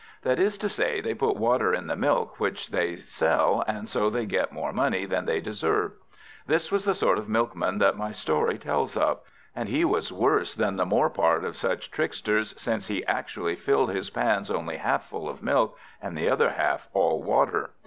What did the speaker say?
That is to say, they put water in the milk which they sell, and so they get more money than they deserve. This was the sort of Milkman that my story tells of; and he was worse than the more part of such tricksters, since he actually filled his pans only half full of milk, and the other half all water.